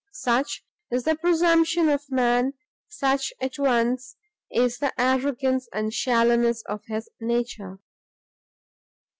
Such is the presumption of man, such at once is the arrogance and shallowness of his nature!